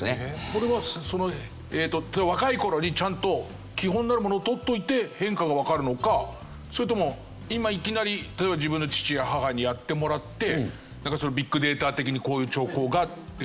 これはその若い頃にちゃんと基本になるものをとっておいて変化がわかるのかそれとも今いきなり例えば自分の父や母にやってもらってビッグデータ的にこういう兆候がって。